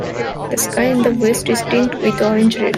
The sky in the west is tinged with orange red.